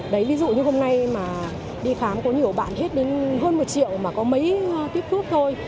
đấy ví dụ như hôm nay mà đi khám có nhiều bạn biết đến hơn một triệu mà có mấy tiếp thuốc thôi